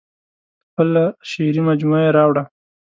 خپله شعري مجموعه یې راوړه.